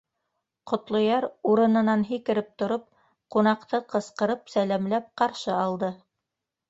Ҡотлояр, урынынан һикереп тороп, ҡунаҡты ҡысҡырып сәләмләп ҡаршы алды: